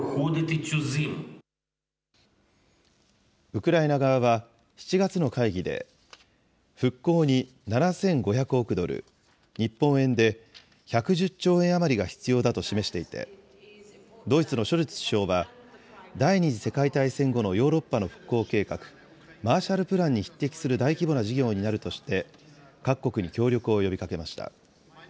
ウクライナ側は７月の会議で、復興に７５００億ドル、日本円で１１０兆円余りが必要だと示していて、ドイツのショルツ首相は、第２次世界大戦後のヨーロッパの復興計画、マーシャルプランに匹敵する大規模な事業になるとして、各国に協力を呼びかけました。